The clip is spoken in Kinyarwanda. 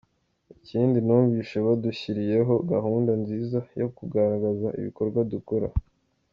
Ikindi numvise badushyiriyeho gahunda nziza yo kugaragaza ibikorwa dukora.